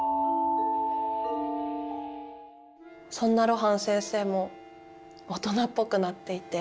そんな露伴先生も大人っぽくなっていて。